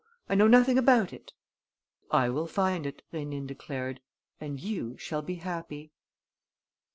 I know nothing about it...." "I will find it," Rénine declared, "and you shall be happy."